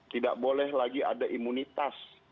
tidak boleh lagi ada imunitas